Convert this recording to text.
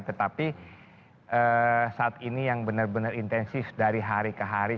tetapi saat ini yang benar benar intensif dari hari ke hari